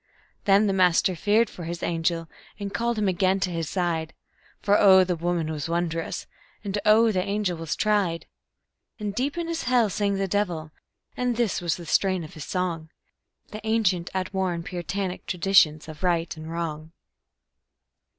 Then the Master feared for His angel, and called him again to His side, For oh, the woman was wondrous, and oh, the angel was tried! And deep in his hell sang the Devil, and this was the strain of his song: "The ancient, outworn, Puritanic traditions of Right and Wrong."